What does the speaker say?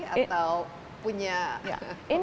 atau punya pemikiran